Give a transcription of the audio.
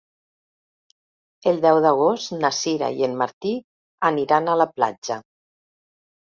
El deu d'agost na Sira i en Martí aniran a la platja.